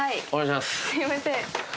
すいません。